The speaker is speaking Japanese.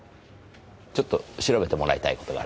ちょっと調べてもらいたい事があります。